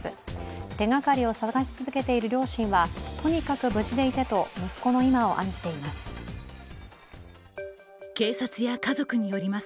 手がかりを探し続けている両親はとにかく無事でいてと息子の今を案じています。